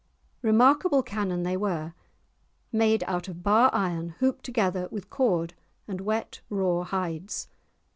Remarkable cannon they were, made out of bar iron hooped together with cord and wet, raw hides!